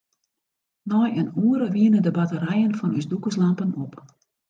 Nei in oere wiene de batterijen fan ús dûkerslampen op.